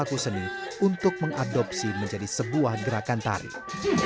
untuk mengadopsi menjadi sebuah gerakan tarikh